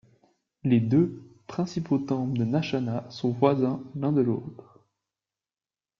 Les deux principaux temples de Nachna sont voisins l'un de l'autre.